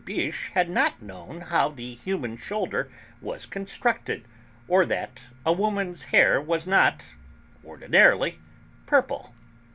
Biche had not known how the human shoulder was constructed, or that a woman's hair was not, ordinarily, purple.